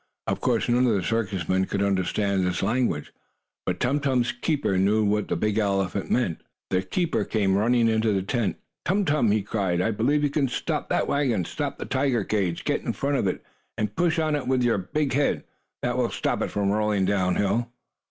Of course none of the circus men could understand this language, but Tum Tum's keeper knew what the big elephant meant. The keeper came running in the tent. "Tum Tum!" he cried. "I believe you can stop that wagon. Stop the tiger cage! Get in front of it, and push on it with your big head. That will stop it from rolling down hill!"